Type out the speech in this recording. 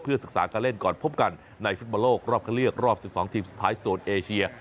เพื่อศึกษาการเล่นก่อนพบกันในฟุตบาลโลกรอบเคลียร์รอบ๑๒ทีมสุดภายส่วนเอเชีย